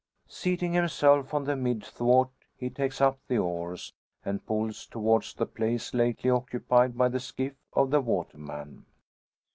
Seating himself on the mid thwart, he takes up the oars, and pulls towards the place lately occupied by the skiff of the waterman.